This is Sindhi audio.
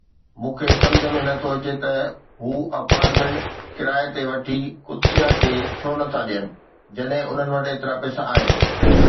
مون کي سمجهه ۾ نه ٿو اچي ته هو اپارٽمنٽ ڪرائي تي وٺي قدسيه کي ڇو نٿا ڏين جڏهن انهن وٽ ايترا پئسا آهن.